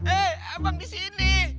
eh abang disini